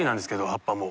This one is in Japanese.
葉っぱも。